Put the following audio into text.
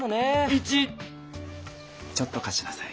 イチちょっとかしなさい。